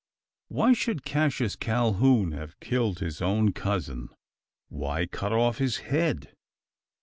Why should Cassius Calhoun have killed his own cousin? Why cut off his head?